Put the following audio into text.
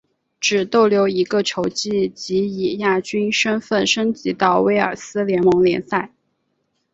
只逗留一个球季即以亚军身份升级到威尔斯联盟联赛。